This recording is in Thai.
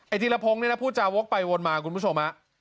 ไอ้ธิระพงเนี่ยนะผู้จาวกไปวนมาคุณผู้ชมนะ